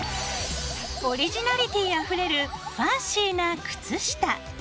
オリジナリティーあふれるファンシーな靴下。